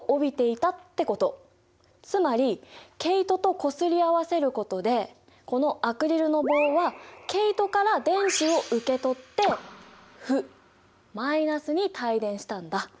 つまり毛糸とこすり合わせることでこのアクリルの棒は毛糸から電子を受け取って負マイナスに帯電したんだ。